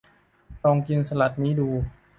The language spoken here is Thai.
ลองกินสลัดนี้ดู